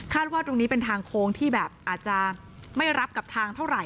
ว่าตรงนี้เป็นทางโค้งที่แบบอาจจะไม่รับกับทางเท่าไหร